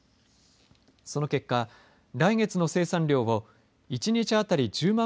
その結果、来月の生産量を１日当たり１０万